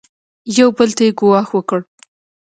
یو بل ته یې ګواښ وکړ.